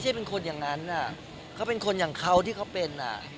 จะเป็นคนอย่างเขาที่เขาเป็น